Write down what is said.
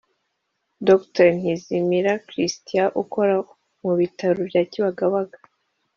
Dr Ntizimira Christian ukora mu bitaro bya Kibagabaga